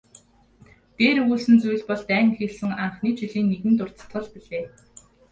Дээр өгүүлсэн зүйл бол дайн эхэлсэн анхны жилийн нэгэн дуртгал билээ.